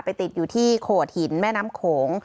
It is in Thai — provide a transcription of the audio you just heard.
ติดอยู่ที่โขดหินแม่น้ำโขง